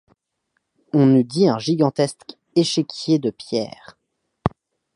On eût dit un gigantesque échiquier de pierre.